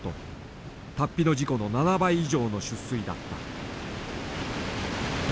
竜飛の事故の７倍以上の出水だった。